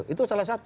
itu salah satu